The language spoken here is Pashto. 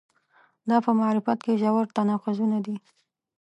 دا په معرفت کې ژور تناقضونه دي.